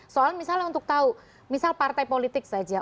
soal misalnya untuk tahu misal partai politik saja